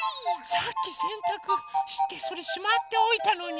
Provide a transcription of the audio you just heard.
さっきせんたくしてそれしまっておいたのに。